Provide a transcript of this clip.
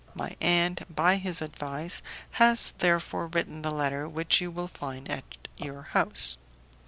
My aunt, by his advice, has therefore written the letter which you will find at your house.